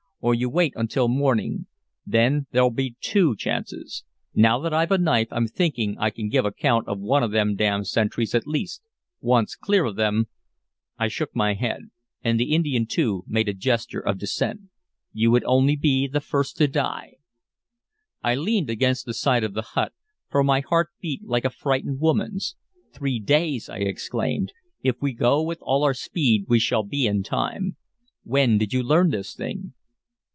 "Or you wait until morning; then there'll be two chances. Now that I've a knife, I'm thinking I can give account of one of them damned sentries, at least. Once clear of them" I shook my head, and the Indian too made a gesture of dissent. "You would only be the first to die." I leaned against the side of the hut, for my heart beat like a frightened woman's. "Three days!" I exclaimed. "If we go with all our speed we shall be in time. When did you learn this thing?"